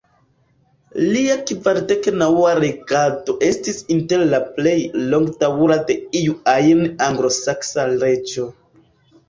Lia kvardek-naŭa regado estis inter la plej longdaŭra de iu ajn anglosaksa reĝo.